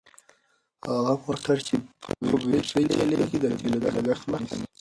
هغه موټر چې په بېټرۍ چلیږي د تېلو د لګښت مخه نیسي.